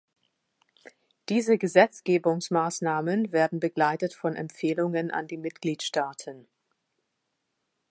Diese Gesetzgebungsmaßnahmen werden begleitet von Empfehlungen an die Mitgliedstaaten.